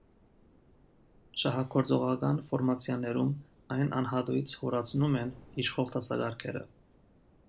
Շահագործողական ֆորմացիաներում այն անհատույց յուրացնում են իշխող դասակարգերը։